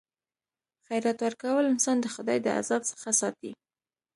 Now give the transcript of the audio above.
خیرات ورکول انسان د خدای د عذاب څخه ساتي.